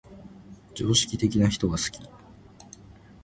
常識的な人が好き